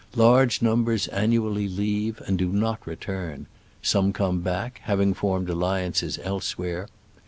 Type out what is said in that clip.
Large numbers annually leave and do not re turn — some come back, having formed alliances elsewhere.